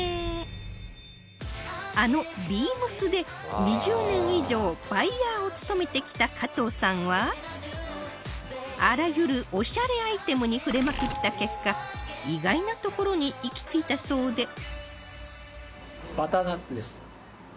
あの ＢＥＡＭＳ で２０年以上バイヤーを務めてきた加藤さんはあらゆるオシャレアイテムに触れまくった結果意外なところに行き着いたそうで